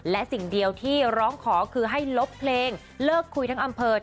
และสิ่งเดียวที่ร้องขอคือให้ลบเพลงเลิกคุยทั้งอำเภอ